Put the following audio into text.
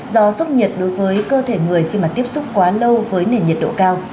do sốc nhiệt đối với cơ thể người khi mà tiếp xúc quá lâu với nền nhiệt độ cao